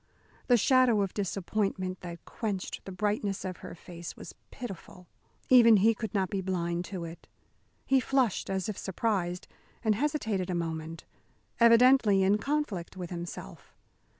The shadow of disappointment that quenched the brightness of her face was pitiful. Even he could not be blind to it. He flushed as if surprised, and hesitated a moment, evidently in conflict with himself.